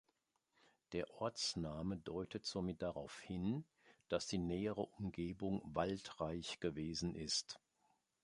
Der Ortsname deutet somit darauf hin, dass die nähere Umgebung waldreich gewesen ist.